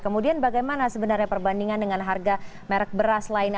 kemudian bagaimana sebenarnya perbandingan dengan harga merek beras lainnya